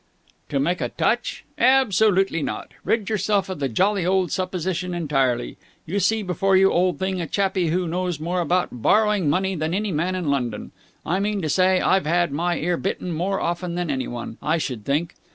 "To make a touch? Absolutely not! Rid yourself of the jolly old supposition entirely. You see before you, old thing, a chappie who knows more about borrowing money than any man in London. I mean to say, I've had my ear bitten more often than anyone, I should think.